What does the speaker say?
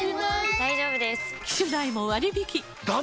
大丈夫です！